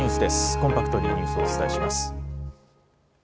コンパクトにニュースをお伝えします。